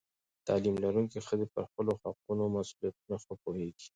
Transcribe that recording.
تعلیم لرونکې ښځې پر خپلو حقونو او مسؤلیتونو ښه پوهېږي.